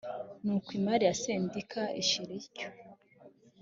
ni uko imari ya sendika ishira ityo